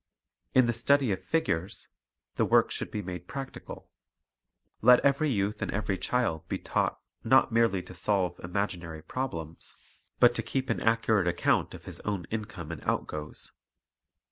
In the study of figures the work should be made practical. Let eveiy youth and every child be taught, not merely to solve imaginary problems, but to keep Methods of Teaching 239 an accurate account of his own income and outgoes.